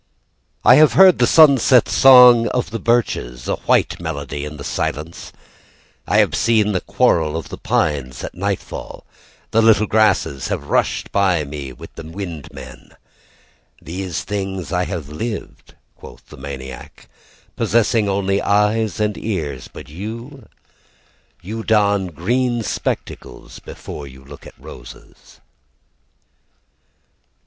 "I have heard the sunset song of the birches, "A white melody in the silence, "I have seen a quarrel of the pines. "At nightfall "The little grasses have rushed by me "With the wind men. "These things have I lived," quoth the maniac, "Possessing only eyes and ears. "But you "You don green spectacles before you look at roses."